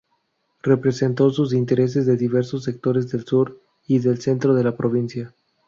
Representó los intereses de diversos sectores del sur y del centro de la provincia.